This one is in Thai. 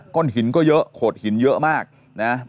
้นหินก็เยอะโขดหินเยอะมากนะ